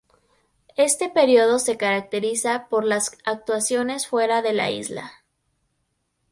Este período se caracteriza por las actuaciones fuera de la isla.